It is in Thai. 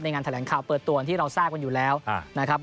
งานแถลงข่าวเปิดตัวที่เราทราบกันอยู่แล้วนะครับ